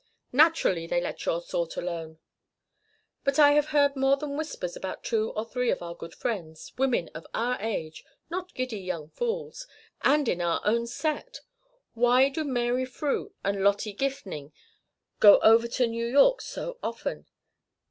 Naturally they let your sort alone." "But I have heard more than whispers about two or three of our good friends women of our age, not giddy young fools and in our own set. Why do Mary Frew and Lottie Gifning go over to New York so often?